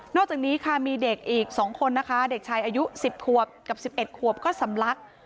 อกจากนี้ค่ะมีเด็กอีก๒คนนะคะเด็กชายอายุ๑๐ขวบกับ๑๑ขวบก็สำลัก